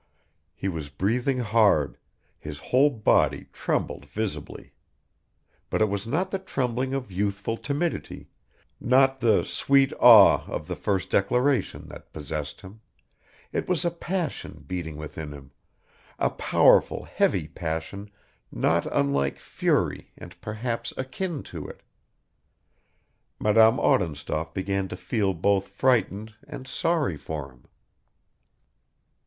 He was breathing hard; his whole body trembled visibly. But it was not the trembling of youthful timidity, not the sweet awe of the first declaration that possessed him: it was passion beating within him, a powerful heavy passion not unlike fury and perhaps akin to it ... Madame Odintsov began to feel both frightened and sorry for him.